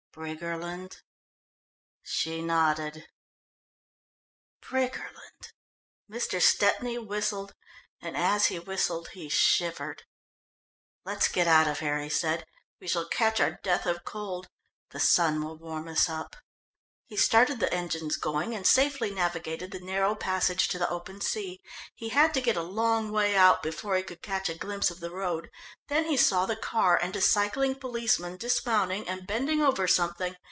"Briggerland?" She nodded. "Briggerland!" Mr. Stepney whistled, and as he whistled he shivered. "Let's get out of here," he said. "We shall catch our death of cold. The sun will warm us up." He started the engines going, and safely navigated the narrow passage to the open sea. He had to get a long way out before he could catch a glimpse of the road, then he saw the car, and a cycling policeman dismounting and bending over something.